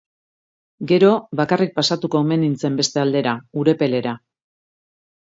Gero, bakarrik pasatuko omen nintzen beste aldera, Urepelera.